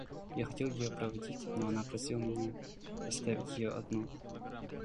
Я хотел ее проводить, но она просила меня оставить ее одну.